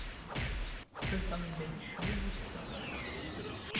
Tḥulfa i yiman-nnes ccwi ass-a?